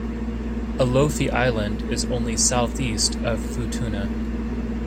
Alofi island is only southeast of Futuna.